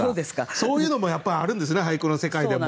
そういうのもやっぱあるんですね俳句の世界でも。